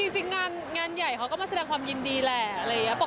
จริงงานใหญ่เขาก็มาแสดงความยินดีแหละอะไรอย่างนี้